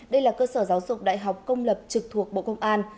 đây là cơ sở giáo dục đại học công lập trực thuộc bộ công an